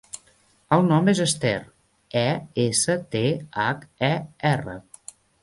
El nom és Esther: e, essa, te, hac, e, erra.